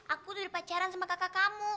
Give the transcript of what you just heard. aku udah pacaran sama kakak kamu